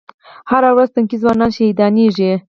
هره ورځ تنکي ځوانان شهیدانېږي